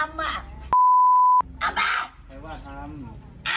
กูด่าดีลูกไม่เอา